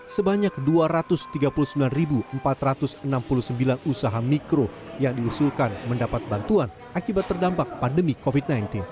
sebanyak dua ratus tiga puluh sembilan empat ratus enam puluh sembilan usaha mikro yang diusulkan mendapat bantuan akibat terdampak pandemi covid sembilan belas